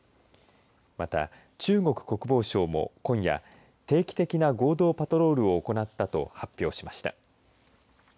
また、中国国防省も今夜、定期的な合同パトロールを行ったと発表しました。